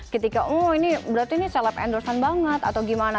ketika oh ini berarti ini celeb endorse an banget atau gimana